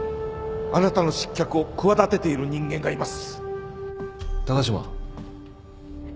あなたの失脚を企てている人間がいます高島。